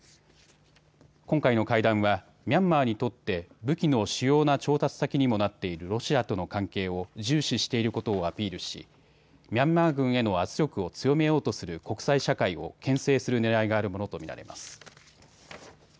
今回の会談はミャンマーにとって武器の主要な調達先にもなっているロシアとの関係を重視していることをアピールしミャンマー軍への圧力を強めようとする国際社会をけん制するねらいがあるものと見られます。